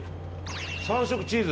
３色チーズ。